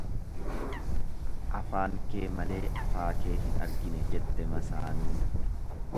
Afaan kee malee afaa kee hin argine jette masaanuun.